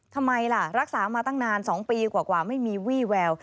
ทำไมล่ะรักษามาตั้งนาน๒ปีกว่าไม่มีวี่แวว